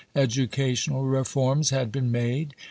Educational reforms had been made.